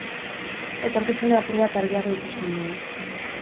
Etorkizuna apur bat argiago ikusten dugu.